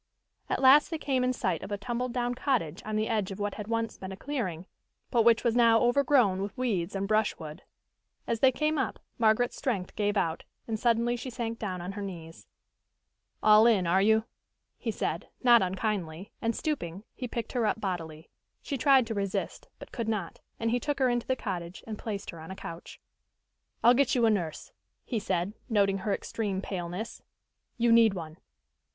At last they came in sight of a tumbled down cottage on the edge of what had once been a clearing, but which was now overgrown with weeds and brushwood. As they came up, Margaret's strength gave out, and suddenly she sank down on her knees. "All in, are you?" he said, not unkindly, and, stooping, he picked her up bodily. She tried to resist, but could not, and he took her into the cottage and placed her on a couch. "I'll get you a nurse," he said, noting her extreme paleness. "You need one."